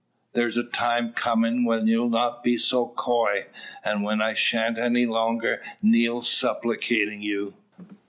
There's a time coming when you'll not be so coy, and when I shan't any longer kneel supplicating you.